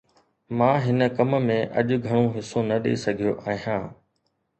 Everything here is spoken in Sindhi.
مان هن ڪم ۾ اڄ گهڻو حصو نه ڏئي سگهيو آهيان